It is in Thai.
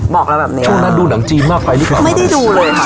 บอกเราแบบนี้น่าดูหนังจีนมากไปหรือเปล่าไม่ได้ดูเลยค่ะ